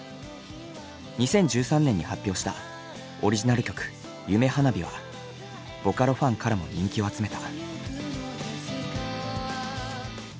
２０１３年に発表したオリジナル曲「夢花火」はボカロファンからも人気を集めた。